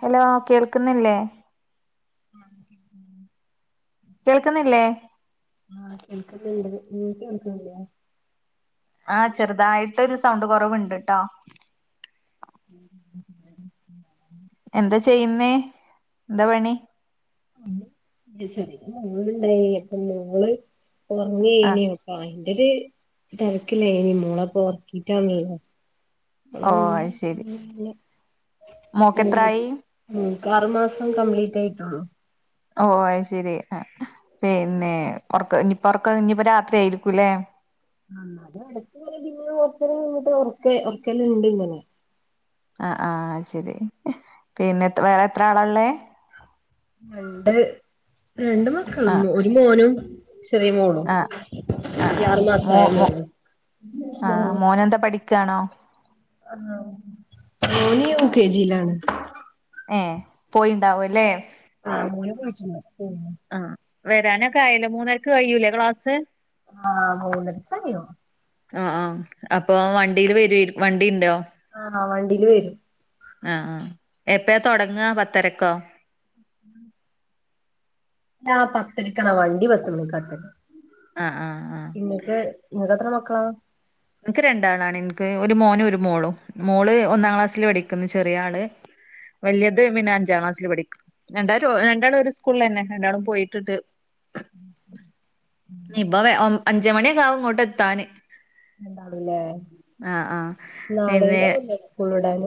Hello കേൾക്കുന്നില്ലേ അ കേൾക്കുന്നില്ലേ ആ കേൾക്കുന്നുണ്ട്ത് ന കേൾക്കില്ലേ ആഹ ചെറുതായിട്ടൊ ഒരു സൗണ്ട് കുറവുണ്ട് കേട്ടോ ഉം എന്താ ചെയ്യുന്നേ എന്താ പണി ശരി ഞങ്ങുണ്ടായി അപ്പം ഞങ്ങള് ഉറങ്ങ ആ കനപ്പ [unintelligible] ഇത് തരകീലേന്നു മോളെ അപ്പോ ഒറക്കിട്ടാ ഉെ ഓ അത് ശരി മോക്കെത്രായി [unintelligible] നക്ക് ആറു മാസം കംപ്ലീറ്റ് ആയിട്ടുള്ളു ഓ ശെരി ആ പിന്നെ ഉറക്ക ഇനിപ്പ ഉറക്ക ഇനിയിപ്പ രാത്രി ആയിരിക്കല്ലേ ആ അത് അടത്ത പിന്ന ഓത്തങ്ങിട്ട് ഉറക്ക ഉറക്കല്ലാം ഉണ്ട് ഇങ്ങനെ ആ ആഹ ശരി പിന്നെ വേറെ എത്ര ആളള്ളേ ര രണ്ട് മക്കള ആ ഒരു മോനും ചെറിയ മോളും ആ ആ ഈ ആഹ ആറു മോ മാസായ മോ ആഹ മോളും മോനെന്താ പഠിക്കയാണോ ആ എൽ ക്കെജിയിലാണ് ഏ പോയിണ്ടാവും അല്ലേ ആ് മോനെ പോഴട്ട [unintelligible] ആഹ്‌ വരാനൊക്കെ ആയല്ലേ മൂന്നരക്ക് കഴിയൂല്ലേ ക്ലാസ് ആഹ് മൂന്നരക്ക് കഴിയും അ ആ അപ്പൊ വണ്ടീൽ വരു വണ്ടി ഇണ്ടോ ആഹ്‌ വണ്ടീല് വരും അ ആ എപ്പ തൊടങ്ങ പത്തരക്കോ ഉം ആ പത്തരക്കാ വണ്ടി പത്ത് മണിക്കാഎത്തല് അ അ ആ ഇങ്ങക്ക് ഇങ്ങക്ക് എത്ര മക്കളാ ഇന്ക്ക് രണ്ടാളാണ് ഇന്ക്ക് ഒരു മോനും ഒരു മോളും മോള് ഒന്നാം ക്ലാസ്സില് പഠിക്ക്ന്ന് ചെറിയ ആള് വല്ലേന്ത് പിന്നെ അഞ്ചാ ക്ലാസ്സിൽ പഠി രങ്ങാരു രണ്ടാളും ഒരു സ്കൂളന്നെ രണ്ടാളും പോയിട്ട്ണ്ട് ഇനി ബ ഒ അഞ്ച്മണി ഒക്കേ ആവും ഇങ്ങോട്ട് എത്താന് രണ്ടാളുല്ലേ ആഹ് ആഹ് പിന്നെ കൂൾ വിടാൻ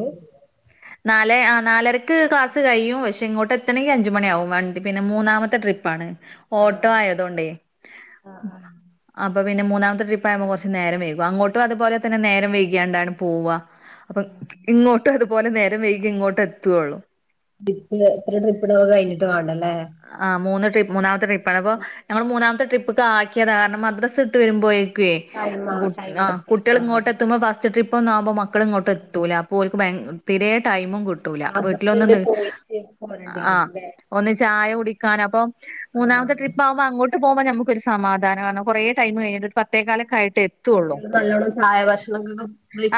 നാലേ ആ നാലരക്ക് ക്ലാസ് കഴിയും പക്ഷെ ഇങ്ങോട്ട എത്തണങ്കി അഞ്ച് മണിയാവും വണ്ടി പിന്നെ മൂന്നാമത്തെ ട്രി പ്പാണ് ആഹ് ഓട്ടോ ആയതൊണ്ട യ് ആഹ് ആഹ് അപ്പൊ പിന്നെ മൂന്നാമത്തെ ട്രിപ്പാവുമ്പോ കൊറച്ച് നേരം വെയ്കും അങ്ങോട്ടും അതുപോലെ തന്ന നേരം വൈകിയാണ്ടാൺ പോവ അപ്പ ആഹ് ഇങ്ങോട്ടും അതുപോലെ നേരം വൈകി ഇങ്ങോട്ടെത്തൊള്ളു ഡിപ്പ് എത്ര ട്രിപ്പ് ടൊക്കെ കഴിഞ്ഞിട്ട് വേണ്ടല്ലേ ആഹ് മൂന്ന് ട്രി മൂന്നാമത്തെ ട്രിപ്പാണ് അപ്പോ ഞങ്ങൾ മൂനാമത്തെ ട്രിപ്പ്ക്ക് ആക്കിയതാ കാരണം മദ്ദ്രസ ഇട്ട് വരുബോ ടൈമ് ടൈം ആ എടുക്കും കുട്ട്യെൾ ആഹ് ഇങ്ങോട്ട എത്തുമ്പോ ബസ്റ്റ് ട്രിപ്പ് ഒന്ന് ആമ്പോ മ മക്കൾ ഇങ്ങോട്ട് എത്തൂല അപ്പൊ ഓൽക്ക് ബയ തിരേ ടൈമും കിട്ടൂല മദ്രസ പിന്നെ വീട്ടിലൊന്ന്നി [unintelligible] ചായ കുടിക്കാന അപ്പം ആഹ് മൂന്നാമത്തെ ട്രി ആാവ്പ അങ്ങോട്ട് പോപോ നമുക്ക് ഒരു സമാധാനം ആൺകുറേ ടൈം കഴിഞ്ഞട്ട് ഒര് പത്തേകാല് ഒക്കെആയിട്ട് കുട്ടികൾ നല്ലോണം ചായ ഭക്ഷനക്കൊ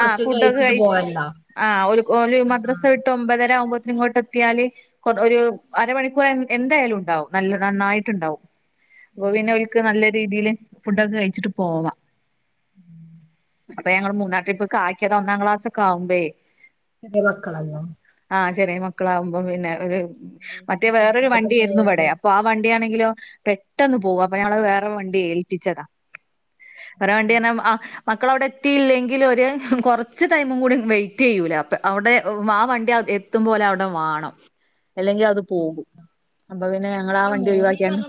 ആഹ് ഫുഡൊക്കെ കഴിച്ചിട്ട് കഴിച്ച് പോവല് ഇണ്ടാ ആഹ് ഓല് മദ്രസ വിട്ട് ഒമ്പതര ആവുമ്പോതിന് ഇങ്ങോട്ട് എത്തിയാല് കൊ ഒര് അരമണി ക്കു എന്തായാലും ണ്ടാവും നല്ല നന്നായിട്ട്ണ്ടാവും അപ്പൊ പിന്നോല്ക് നല്ല രീതിൽ ഫുഡൊക്കെ കഴിച്ചിട്ട് പോവ [inaudible] അപ്പ ഞങ്ങൾ മുന്നാട്രിപ്പ്ക്ക് ആക്കിത ഒന്നാം ക്ലാസാക്കേആവുമ്പേ [unintelligible] മക്കളല്ലേ ആഹ് ചെറിയ മക്കളാവുമ്പം പിന്നെ ഒര് [inaudible] മറ്റേ വേറൊരു കഴിക്കാതൊക്കെ വണ്ടിയേര്ന്നു പോയാല് ഇവടെ അപ്പൊ പ്പൊ ആ വണ്ടിയാണെങ്കിലോ പെട്ടെന്ന് പോകും അപ്പൊ ഞങ്ങള് വേറെ വണ്ടി ഏൽപ്പിച്ചതാ [unintelligible] ആഹ് മക്കൾ അവിടെ എത്തിയില്ലെങ്കിൽ ഒരു കൊറച്ച് ടൈമും കൂടി വെയ്റ്റ് ഇയ്യൂല അപ്പ അവിടെ ആ വണ്ടി എ എത്തും പോല അവടെ വാണം അല്ലെങ്കിൽ അത് പോകും അപ്പൊ പിന്നെ ഞങ്ങള് ആ വണ്ടി ഒഴിവാകീങ്ങാണ്ട്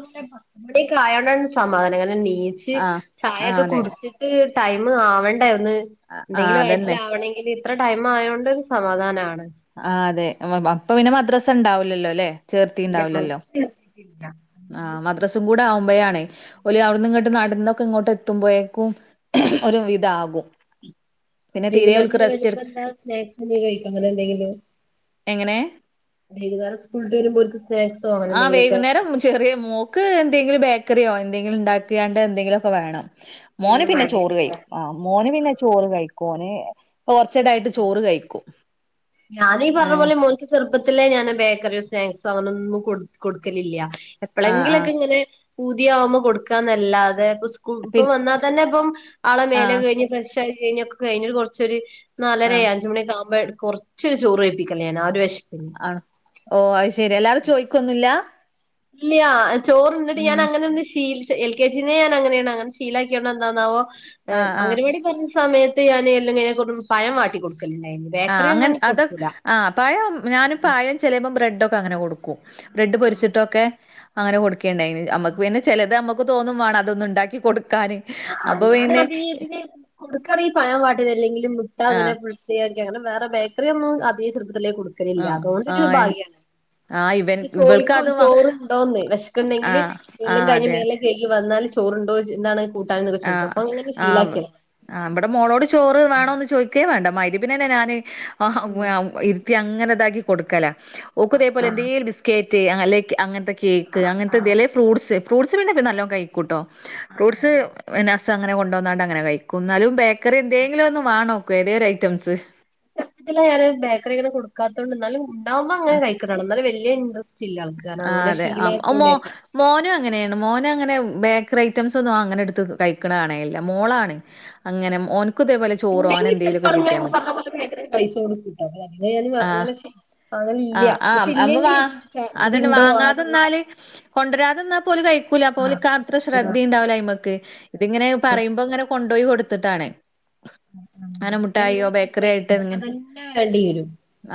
അവിടൊക്കേ ആയോണ്ടാണ് സമാധാനം കാരണം നീച്ച് ആഹ് ആഹ് ചായൊക്കെ അതെ കുടിച്ചിട്ട് ടൈം ആവ [unintelligible] ആഹ് എന്തെങ്കിലും അതന്നെ വയറ്റ്ല്ആവണങ്കിൽ ഇത്ര ടൈം ആയോണ്ട് സമാധാനാണ് ആഹ് അതെ അപ്പൊ പിന്നെ മദ്രസ ഇണ്ടാവുലല്ലോ ല്ലേ ചേർത്തി ണ്ടാവില്ലല്ലോ ഇല്ല ആഹ് മദ്രസും കൂടെ ആവുബയാണേ ഓല് അവിട്ന്ന് ഇങ്ങട്ട് നടന്നൊക്കെ ഇങ്ങോട്ട് എത്തുമ്പോയേക്കും ഒരു വിത ആകും വൈകുന്നേരം വരുമ്പന്താ സ്നാക് എന്തകിലും കഴിക്കോ അങ്ങനെ എന്തെങ്കിലും എങ്ങനെ വൈകുന്നേരം സ്കൂൾ വിട്ടാരുമ്പൊരു സ്നാക്സ് ആഹ് വൈകുന്നേരം ചെറിയ മോക്ക് എന്തെങ്കിലും ബേക്കറിയോ എന്തെങ്കിലും ഉണ്ടാക്കിയാണ്ട് എന്തെങ്കിലുമൊക്കെ വേണം മോന് എന്നും പിന്നെ ചോറ് വേണ്ടിവരുല്ലേ കഴിക്കും ആ മോന് പിന്നെ ചോറ് കഴിക്കും ഓന് കുറച്ചക്കായിട്ട് ചോറ് കഴിക്കും ഞാനീ പറഞ്ഞ ഏഹ് പോലെ മോന്ക്ക് ചെറുപ്പത്തിലെ ഞാൻ ബേക്കറിയോ സ്നാക്സോ അങ്ങനൊന്നും കൊടുക്കലില്ല ആഹ് ആഹ് എപ്പോളെങ്കിലൊക്കെ ഇങ്ങനെ പൂതിയാവുമ്പോ കൊടുക്കാന്നല്ലാതെ പി ഇപ്പൊ വന്നാൽ തന്നെ ഇപ്പം ആളെ മേലെ ആഹ് കേറി ഫ്രഷ ആയി കഴിഞ്ഞ ഒക്കെ കഴിഞ്ഞ മേലെ കുറച്ചൊരു ഇരിക്കും നാലരേ ആഹ് അഞ്ച മണിക്ക ആകുമ്പോഴ കുറച്ച ചോറ് കഴിപ്പിക്കലേ ഞാൻ ആ ഒരു വിശപ്പിന് ആഹ് ഓ അത് ശെരി അല്ലാതെ ചോയ്ക്കൊന്നുല്ല ഇല്ലയാ ചോറണ്ട്ട്ട് ഞാൻ ഉം അങ്ങനെ ഒന്ന് ശീല എൽ കെ ജിനെ ഞാൻ അങ്ങനെയാണ് അങ്ങനെ ശീലാക്കിയ എന്താന്നാവോ ആഹ് ആഹ് അങ്ങനെവാടി തൻ സയത്ത് ഞാന് എല്ലാ കഴിഞ്ഞപ്പോ പഴംവാടികൊടുക്കലണ്ടയിന് ആഹ് അങ്ങൻ അത് ആഹ് പഴം ഞാനും പയം ചെലേപ്പം ബ്രെഡൊക്കെ അങ്ങനെ കൊടുക്കും ബ്രെഡ് പൊരിച്ചിട്ടൊക്കെ അങ്ങനെ കൊടുക്കുകുണ്ടായിന് നമ്മുക്ക് പിന്നെ ചിലത് നമ്മുക്ക് തോന്നും വേണം അതൊന്നും ഉണ്ടാക്കി കൊടുക്കാാന് ആഹ് ഞാൻ അതി കൊടുക്കാനെങ്കിലും പഴ വാട്ടീത് അല്ലെങ്കി മുട്ട അങ്ങനെ ആഹ് അക്കെ വേറെ ബേക്കറി ഒന്നും അതേ ചെപ്പത്തിലേ കൊടു പിന്നെല്ല്യ ആഹ് അതൊണ്ടൊരു ആഹ് ഭാഗ്യാണ് ആഹ് ഇവൻ ഇവൾക്ക് ചോയിക്കും അത് വാ ചോറണ്ടോന്ന് വെശ് ക്ക്ണ്ടെങ്കില് ആഹ് എല്ലാം ആഹ് കഴിഞ്ഞ് അതെ മേലെ കൈകിവന്നാല് ചോറ്ണ്ടോ ജ്ന്താണ് ആഹ ആ ആ മ്മടെ മോളോട് ചോറ് വേണോന്ന് ചോദിക്കേ വേണ്ട മൈരിപിനെന്നെ ഞാന് [inaudible] അങ്ങനെതാക്കി കൊടുക്കല ഓക്ക ഇതേ പോലെ എന്തെലും ബിസ്ക്കറ്റ് അല്ലെ അങ്ങനത്തെ കേക്ക് അങ്ങനത്തെ ഇതലെ ഫ്രൂട്ട്സ് ഫ്രൂട്സ് പിന്നെ നല്ലോ കഴിക്കൂട്ടോ ഫ്രൂട്ട്സ് നസം അങ്ങെ കൊണ്ട വന്നാണ്ട് അങ്ങനെ കഴിക്കും ന്നാലും ബേക്കറി എന്തെങ്കിലും ഒന്ന് വേനോക്ക് ഏതൊരും ഒരു ഐറ്റംസ് ച ഞാാന് ബേക്കറി ഇങ്ങനെ കൊടുക്കാത്തത്ണ്ട് എന്നാലും ഉണ്ടാവുമ്പൊ അങ്ങനെ കഴിക്കട്ടണം എന്നാലും വലിയ ഇണ്ട്രാ ഇല്ലൾക്ക് അങ്ങനെ ശീലമായിട്ല്ല മോനോ അങ്ങനെയാണ് മോനും അങ്ങനെ ബേക്കറി ഐറ്റംസ് ഒന്നും അങ്ങനെ എടുത്ത് കഴിക്കണല്ല മോളാണ് അങ്ങനെ ഓൻക്ക ഇതേപലെ ചോറോങ്ങനെ എന്തെലൊ ക്കെ കിട്ടിയ മതി പൈസോടുകുട്ട ന്തയാലും ആഹ് അങ്ങനെ അങ്ങനെ ആഹ് ഇല്ല്യ ആഹ് പക്ഷെ അമ്മള് വാ ഇല്ലെങ്കിലും ച്ചാ ഇതുണ്ടോ ആ കൊണ്ടരാതെന്നാല് പോല്കഴിക്കൂല പോല്ക്ക് അത്ര ആഹ് ശ്രദ്ധിണ്ടാവൂല്ല അയ്മ്മക്ക് ഇതിങ്ങനെ പറയുമ്പോ ഇങ്ങനെ കൊണ്ടോയി കൊടുത്തിട്ടാണേ അങ്ങനെ മുട്ടായോ ബേക്കറി ആയിട്ട് ങ്ങനെ എടീ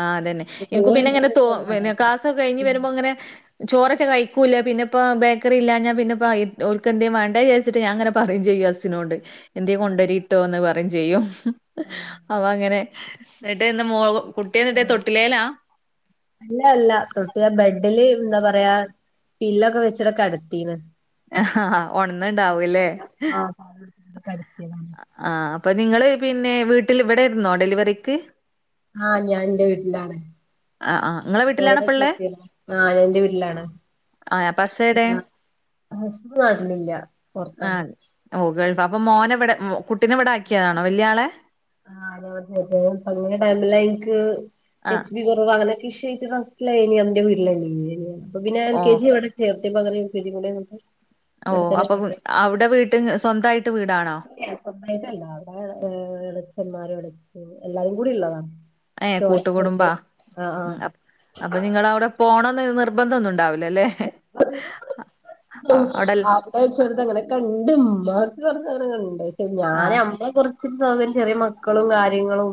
ആ അതെന്നെ എനിക്കും പിന്നെ ങ്ങനെ തോ സമാധാന ക്ലാസ്സൊക്കെ കഴിഞ്ഞ് വരുമ്പോങ്ങനെ ചോറൊക്കെ കഴിക്കൂല പിന്നെപ്പ ബേക്കറില്ലാ ഞ്ഞാ പിന്നെപ്പയി ഓൽക്കെന്തേ വാണ്ടെ ജാരച്ചിട്ട്ഞാൻ അങ്ങെനെ പറയും ചെയും അസിനോട് എന്തേ കൊണ്ടരിട്ടോന്ന് പറ ചെയ്യും അപ അങ്ങനെ ന്നിട്ട് മോളകുട്ടി എന്നിട്ടേ തൊട്ടിലേലാ അല്ല അല്ല സ്വട്ടിയ ബെഡില് എന്താ പറയാ പില്ലൊക്കെ വെച്ചിട്ട്ക്കെടത്തീണ് ഒണന്ന്ണ്ടാവൂല്ലേ ആ കെട്ത്തിണ് ആ അപ്പൊ നിങ്ങള് പിന്നെ വീട്ടിൽ ഇവിടൊയിരുന്നോ ഡെലിവറിക്ക് ആഹ് ഞാൻന്റെ വീട്ടിലാണ് ആഹ് ആഹ് ഇങ്ങളെ ഓടെ വീട്ടിലാണപ്പള്ളേ ചേർത്തിയആഹഞാന്റെ വീട്ടിലാണ് ആഹ് അപ്പ ഹസ്സെടെ? [unintelligible] നാട്ടിലില്ല പൊറത്താണ് ഓ ഗൾഫ് അപ്പൊ മോനെ ഇവിടെ കുട്ടിനെവിടെ ആക്കിയതാണോ വല്യളെ ആ അതെ [unintelligible] ടൈമ എനിക്ക് ആഹ് എച്ച് ബി കുറവാ അങ്ങനെക്കെ ഇശുവായിട്ട് ഇനി അന്റെ വീട്ടിലാനിന്റെവീട്ടില്അപ്പൊ പിന്നെ എൽ കെ ഓഹ് ജി വിടെ ചേർത്ത്യ പങ്ങനെ എയ്തിക്കൂടെ ന്യോന്ക്ക് ഓ അപ്പൊ അവിടെ വീട്ടിന്ന് സ്വന്തായിട്ട് വീടാണോ വീട് സ്വന്തായിട്ടല്ല അവിടെ ഏ എളച്ചന്മാരും എളച്ചി എല്ലാരും കൂടി ഉള്ളത ഏ കൂട്ടുകുടുംബാ അപ്പൊ നിങ്ങളവിടെ പോണംന്ന് നിർബന്ധം ഒന്നും ഉണ്ടാവൂലല്ലേ അവിടെൽ അപ്പോ ചെറുതിങ്ങനെ ക്ണ്ട് ഇമ്മ കൊർച്ചങ്ങനെ കണ്ട് ഞാൻ ആഹ് നമ്മെ കുറച്ച് സൗകര്യം ചെറിയ മക്കളും കാര്യങ്ങളും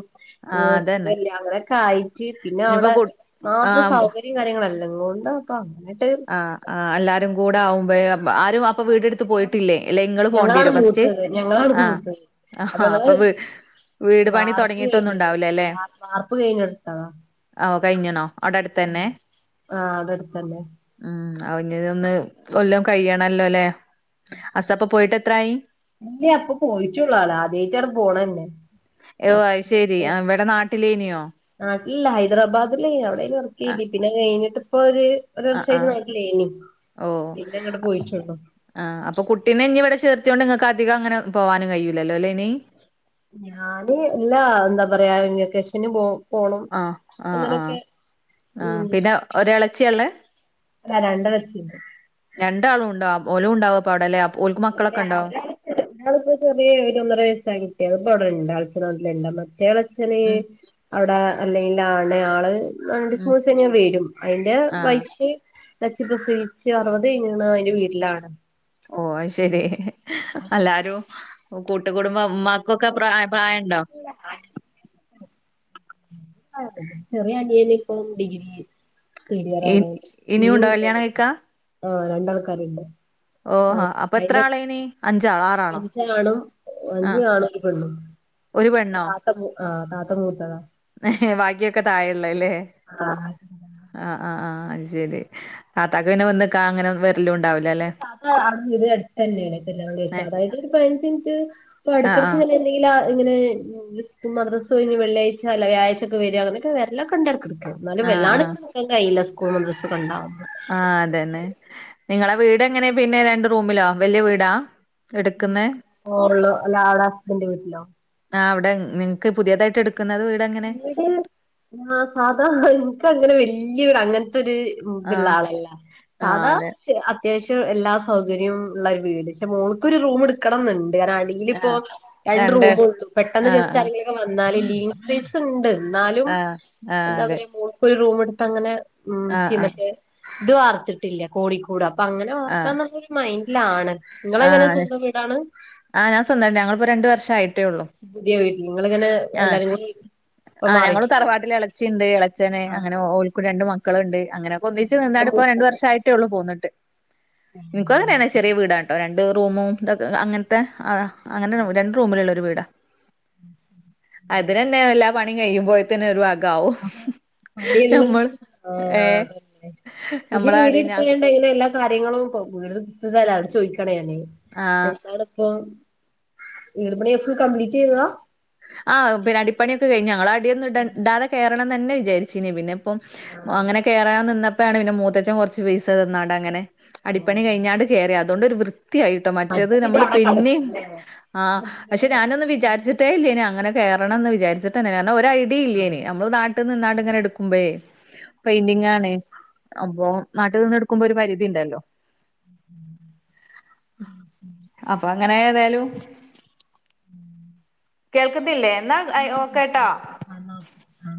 ആഹ് ഏ അതന്നെ സുഖല്യ അങ്ങനെക്കെ ആയിട്ട് പിന്നെ ഇനിയിപ്പോ അവിടെ കു മാത്ര ആഹ് സൗകര്യം ട്ടികാര്യങ്ങള് എല്ലാം കൊണ്ടും ഇപ്പങ്ങനെ ആ ആ എല്ലാരും കൂടെ ആകുമ്പോ യെ ആരും അപ് അപ്പൊ വീടെടുത്ത് സൗകര്യം പോയിട്ടില്ലേ അല്ലെ ഇങ്ങള് പോണ്ടി ഞങ്ങളാണ് വര്യോ ഫസ്റ്റ് മൂത്തത് ഞങ്ങളാണ് ആ മൂത്തത് അപ്പൊ ആഹാ ഞങ്ങള് അപ്പോ വീ വീട് പണി വാർപ്പ് തൊടങ്ങിയിട്ടൊന്നും കഴിഞ്ഞിണ് ഉണ്ടാവൂലല്ലേ വാർപ്പ് കഴിഞ്ഞ് ഇടുത്താ ഓ കഴിഞ്ഞ്ണോ അവിടെ അടുത്തന്നെ ആഹ അവിടെ എടുത്തന്നെ ഉം ആവൂ ഇഞ്ഞ്തൊന്ന് ഏല്ലം കഴിയണല്ലല്ലെ അസറപ്പ് പോയിട്ട് എത്രായി ല്ല ഇപ്പൊ പോയിട്ടുള്ളു ആള് ആദ്യയിട്ടാണ് പോണന്നെ ഓ അഹ്ശരി ഇവിടെ നാട്ടിലേനിയോ നാട്ടില്ല ഹൈദറാബാദല്ലേനു അവിടെ വർക്ക് ആ ചെയ്തെ പിന്നെ കഴിഞ്ഞിട്ട്പ്പ ഒരു ആ വർഷിയി ആ ലേനു ഓ ചോ ആഹ അപ്പോ കുട്ടീനെ ഇനി ഇവിടെ ചേർത്തൊണ്ട് ഇങ്ങക്ക് അധികം അങ്ങനെ പോവാനും കയൂലല്ലോ അല്ലേ ഇനി ഞാന് അല്ലാ എന്താ പറയാ വെക്കേഷന് പോകും പോണം ആ ആ ആ അങ്ങനൊക്കെ ആ മ് പിന്നെ ഒരെളച്ചിയാ ഇള്ളേ രണ്ടണത്തിനെ രണ്ടാളും ഉണ്ടോ ഓലുണ്ടാവും അപ്പൊ അവിടലെ പിന്നെ അ ഒരാള് ഇങ്ങക്ക് ഒന്നര വയസ്സായിട്ട് അവിടെപ്പണ്ട് അൾച്ച നോട്ടിലണ്ട് മറ്റാള് അ ഉം അവിടെ അല്ലെയ്നില് ആടെ ആള് രണ്ട് ഉം സമൂ തന്നെയഞാൻ വരും അതിന്റെ ആ വയ. നച്ചിപസിേച്ച് അറുപത് കഴിഞ്ഞ് അതിന്റെ വീട്ടിലാണ്.. ഓ ശരി എല്ലാരും കൂട്ട് കുടുംബമാ ഇമ്മ നക്കൊക്കെ പ്രായം പ്രായം ഉണ്ടോ ആഹ് ആഹാ ചെറിയ അനിയന ഇപ്പോ ഡിഗ്രി കഴിഞ്ഞു ഇ തേടിയറാണ് ഇനിയും ഇനിം ഉണ്ടോ കല്യാണം ഉണ്ട് കഴിക്കാ രണ്ടാൾക്കാർ ഓഹ് അപ്പൊ എത്ര ആളേന് അഞ്ചാ ആറ് അഞ്ച് ആണും അഞ്ച് ആണും ഒരു പെണ്ണും ഒരു ആഹ് താത്ത മൂത്തതാ ബാഗ്യൊക്കെ താഴെയള്ളല്ലേ ആഹ് ആഹ് ആഹ ആഹ് അ ശെരി താത്താക്ക് പിന്നെ വന്ന് നിക്കാൻ അങ്ങനെ വെരലും ഉണ്ടാവില്ല അല്ലെ.. ആ ഇത് അടുത്ത് തന്നെയാണ് ചല്ലം ഏഹ് അതായത് ഒരു പതിനഞ്ച്മിനിറ്റ് ഇ ആഹ് അടക്കിടക്ക എന്തെങ്കില ഇങ്ങനെ മദസ്സ് കഴിഞ്ഞ് വെള്ളിയാഴ്ച അല്ല വ്യഴ്ചക്ക വര അങ്ങനൊക്കെ വരെല്ല കണ്ട് എന്നാലും ആഹ് ആഹ് വല്ലാണങ്കക്ക കയില്ല സ്കൂൾ ഡ്രസ്സ് കണ്ടാവ ആ അതന്നെ നിങ്ങളെ വീട് എങ്ങനെ പിന്നെ രണ്ട് റൂമിലോ വല്യ വീടാ എടുക്കുന്നേ ഓറിലോ അല്ല അവിടെ ഹസ്ബന്റെ വീട്ടിലോ ആ അവിടെ നിങ്ങക്ക് പുതിയതായിട്ട് എടുത വീട് ആ സാധാണ എനക്ക് അങ്ങനെത്തെ വല്യ അങ്ങനത്തെരു ആഹ് ഉദലല്ല ആഹ് സാധാ അതെ അത്യാവശ്യം എല്ലാ സൗകര്യവും ഉള്ള ഒരു വീട് പക്ഷെ മോൾക്കോരു റൂം എടുക്കണം എന്നുണ്ട് കാരണം.. അതിലിപ്പോ ആഹ് രണ്ട് റൂമ പെട്ടെന്ന് ആഹ് ജസ്റ്റ് ആഹ് ആളോളെക്കെ വന്നാല ണ്ട് എന്നാലും ആഹ് ആഹ് എന്താ അതെ പറയാ ഒരു റൂം എടുത്ത് അങ്ങനെ ഉ ആഹ് ആഹ് ചീമക്ക ഇത് വർത്തിട്ടില്ല കൂടിക്കൂട അപ്പൊ അങ്ങനെ ആഹ് വർക്കാന്നുള്ളരു മൈൻഡിലാണ് നിങ്ങള എങ്ങനെ ആഹ് സ്വന്തം വീടാണ് ആഹ് ഞാ സ്വന്തം ഞിപ്പോ രണ്ട വർഷ ആയിട്ടേ ഉള്ളു പുതിയ വീട്ടിൽ നിങ്ങളിങ്ങനെ എല്ലാരും ഇപ്പൊ ആഹ് ഞങ്ങൾ മാറിയിട്ടുണ്ടാവൂലേ തറവാട്ടിൽ ഇളച്ചിയുണ്ട് ഇളച്ചനെ അങ്ങനെ ഓക്കു രണ്ട് മക്കളും ഉണ്ട്. അങ്ങനെ ഒന്നിച്ച് നിന്നാാണ് ഇപ്പോ രണ്ടു ആഹ് വർഷമായിട്ടേ ഉള്ളൂ പോന്നിട്ട് നിനക്ക് അങ്ങനെയന്ന ചെറിയ വീടാണ് കേട്ടോ രണ്ട് റൂമും ഇതൊ അങ്ങനത്തെ ആഹ് അങ്ങനെ രണ്ട് റൂമിലള്ള ഒരു വീടാ അതിനന്നെ എല്ലാ പണിയും കഴിയുമ്പോയിത്തന്നെ ഒരു വകവും മടല്ല ആഹ് അഹ് പുതിയ നമ്മളെ അടീന വീര്ടുത്തണ്ട എല്ല കാര്യങ്ങളും ഇ വീട്തല്ല അവിടെ ചോദിക്കണേല്ലേ ആഹ് എന്താണ ഇപ് ഏഴ മണിയ ഫുൾ കംപ്ലീറ്റ് ചെയാ ആഹ് പിന്ന അടിപ്പണിയൊക്കെ കഴിഞ്ഞ ഞങ്ങൾ അടൊന്നും ഇടാതെ കയറണംന്ന് തന്നെ വിചാരിച്ചിനി പിന്ന അപ്പം ആഹ് അങ്ങനെ കയറാൻ നിന്നപ്പോണ് പിന്നെ മൂത്തച്ഛൻ കുറച്ച് പൈസ തന്നാണ്ട് അങ്ങനെ അടിപ്പണി അങ്ങനെ. കഴിഞ്ഞാട് കയറിയ അതുകൊണ്ട് ഒരു വൃത്തിയിട്ട കേട്ട മറ്റേത് മറ്റേ പിന്നെ നമ്മൾ അവിടെ പിന്നെയ കടക്കും ആഹ് പക്ഷെ ല്ലേ ഇങ്ങനെ ഞാനൊന്ന് വിചാരിച്ചിട്ട അതേല്ലന അങ്ങനെകയറണമന്ന് വിചാരി കാരണം ഒ ഐഡിയ ഇല്ലേനി നമ്മൾ നാട്ടിൽ നിന്നാട് ഇങ്ങനെ എടുക്കുമ്പോേ പെയിന്റിങ്ങ ആണ് അപ്പൊ നാട്ടിൽ നിന്ന് എടുക്കുമ്പോ ഒരു പരിധി ഉണ്ടല്ലോ ഉ ഉ [inaudible] അപ്പൊ അങ്ങനെ ഏതായാലും. ഉം കേൾക്കുന്നില്ലേ എന്നാൽ ഓക്കട്ടോ ആഹ്